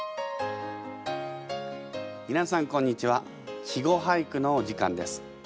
みなさんこんにちは「稚語俳句」のお時間です。